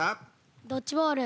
ドッジボール。